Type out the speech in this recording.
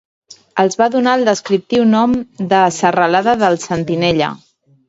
Els va donar el descriptiu nom de serralada del Sentinella.